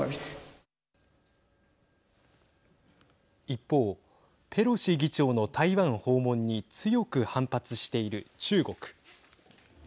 一方、ペロシ議長の台湾訪問に強く反発している中国。